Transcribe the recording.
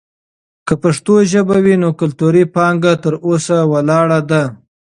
که پښتو ژبه وي، نو کلتوري پانګه تر اوسه ولاړه ده.